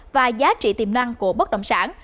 và giá trị tiềm năng của bất động sản